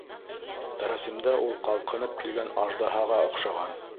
Рәсемдә ул ҡалҡынып килгән аждаһаға оҡшаған.